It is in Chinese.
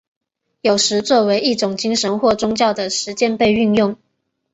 有时作为一种精神或宗教的实践被运用。